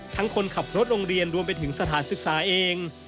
คนขับรถโรงเรียนรวมไปถึงสถานศึกษาเอง